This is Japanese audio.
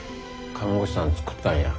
看護師さん作ったんや。